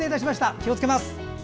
気をつけます。